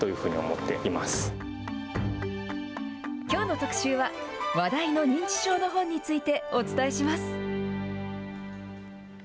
きょうの特集は、話題の認知症の本について、お伝えします。